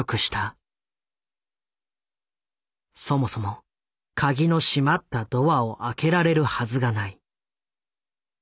そもそも鍵の閉まったドアを開けられるはずがない。